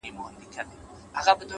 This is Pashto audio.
o بس ده ژړا مه كوه مړ به مي كړې؛